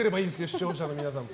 視聴者の皆さんも。